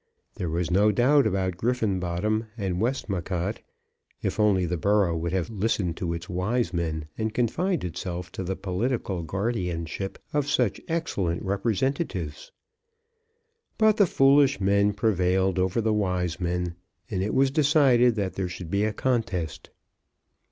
There was no doubt about Griffenbottom and Westmacott, if only the borough would have listened to its wise men and confined itself to the political guardianship of such excellent representatives! But the foolish men prevailed over the wise men, and it was decided that there should be a contest.